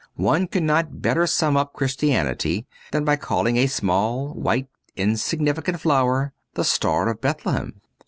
One could not better sum up Christianity than by calling a small white insignificant flower ' The Star of Bethlehem.'